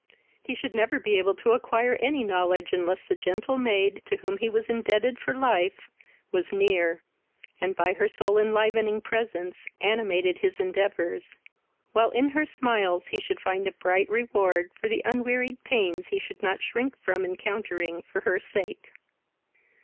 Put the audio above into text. He should never be able to acquire any knowledge unless the gentle maid, to whom he was indebted for life, was near, and by her soul enlivening presence animated his endeavours, while in her smiles he should find a bright reward for the unwearied pains he should not shrink from encountering for her sake.